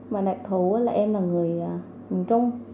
mà đặc thủ là em là người miền trung